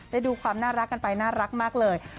ดูความน่ารักกันไปน่ารักมากเลย